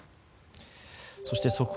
そして速報